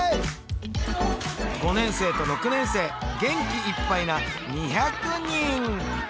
５年生と６年生元気いっぱいな２００人。